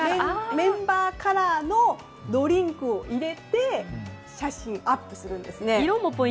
メンバーカラーのドリンクを入れて写真をアップするんですね。